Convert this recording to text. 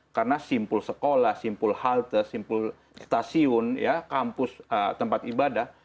karena simpul sekolah simpul halte simpul stasiun kampus tempat ibadah